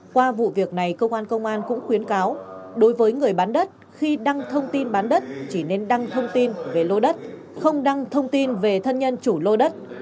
qua vụ việc này cơ quan công an cũng khuyến cáo đối với người bán đất khi đăng thông tin bán đất chỉ nên đăng thông tin về lô đất không đăng thông tin về thân nhân chủ lô đất